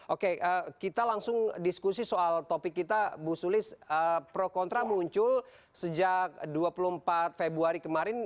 oke kita langsung diskusi soal topik kita bu sulis pro kontra muncul sejak dua puluh empat februari kemarin